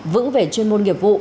vững về chuyên môn nghiệp vụ